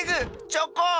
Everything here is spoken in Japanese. チョコン！